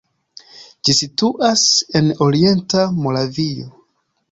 Ĝi situas en orienta Moravio.